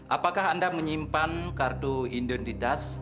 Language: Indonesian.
apakah anda menyimpan kartu identitas